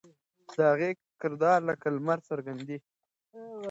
د هغې کردار لکه لمر څرګندېده.